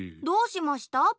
どうしました？